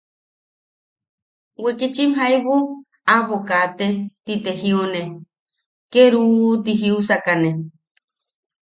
Wikichim jaibu aʼabo kaate ti te jiune, ke ¡ruu! ti jiusakane.